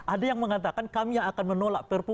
ada yang mengatakan kami yang akan menolak perpu